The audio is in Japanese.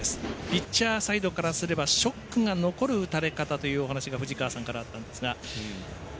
ピッチャーサイドからすればショックが残る打たれ方というお話が藤川さんからあったんですが。